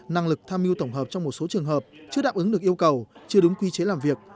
năng lực tham mưu tổng hợp trong một số trường hợp chưa đáp ứng được yêu cầu chưa đúng quy chế làm việc